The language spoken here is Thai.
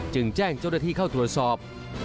แจ้งเจ้าหน้าที่เข้าตรวจสอบ